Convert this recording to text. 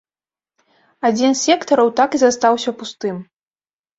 Адзін з сектараў так і застаўся пустым.